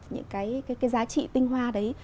những cái giá trị tinh hoa đấy